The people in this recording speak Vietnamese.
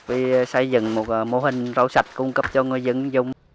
vì xây dựng một mô hình rau sạch cung cấp cho người dân dùng